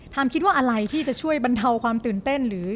คิดว่าอะไรที่จะช่วยบรรเทาความตื่นเต้นหรือ